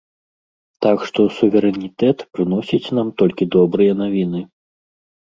Так што суверэнітэт прыносіць нам толькі добрыя навіны.